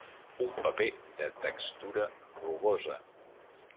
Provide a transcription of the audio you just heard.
Un paper de textura rugosa.